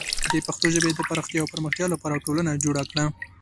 د پښتو ژبې د پراختیا او پرمختیا لپاره ټولنه جوړه کړه.